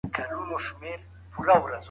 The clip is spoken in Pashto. بهرني پانګوال هم راتللی شي.